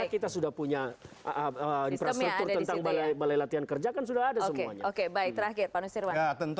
karena kita sudah punya infrastruktur tentang balai latihan kerja kan sudah ada semuanya